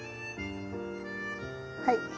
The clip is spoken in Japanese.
はい。